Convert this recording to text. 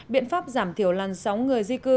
biện pháp giảm thiểu làn sóng người di cư